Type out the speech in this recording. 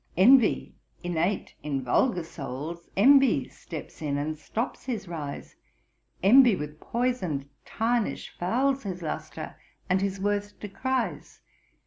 Envy, innate in vulgar souls, Envy steps in and stops his rise, Envy with poison'd tarnish fouls His lustre, and his worth decries.